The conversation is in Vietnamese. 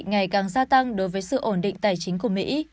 ngày càng gia tăng đối với sự ổn định tài chính của mỹ